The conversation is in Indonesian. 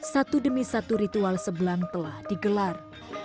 satu demi satu ritual sebelang telah digelar